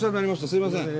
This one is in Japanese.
すいません